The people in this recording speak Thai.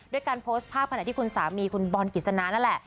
การโพสต์ภาพขณะที่คุณสามีคุณบอลกิจสนานั่นแหละ